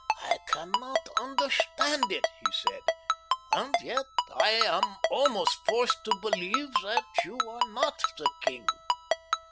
"I cannot understand it," he said; "and yet I am almost forced to believe that you are not the king."